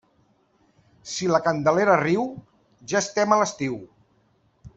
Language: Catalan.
Si la Candelera riu, ja estem a l'estiu.